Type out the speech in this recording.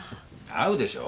会うでしょ。